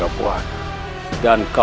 ajihan ini sirewangi